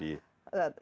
ini yang sering terjadi